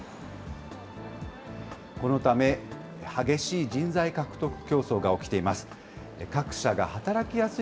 このため、激しい人材獲得競争が起きています。